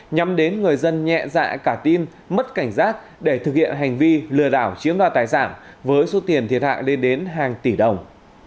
nhằm đến người dân nhẹ dạ cả tin mất cảnh giác để thực hiện hành vi lừa đảo chiếm đoạt tài sản với số tiền thiệt hại lên đến hàng tỷ đồng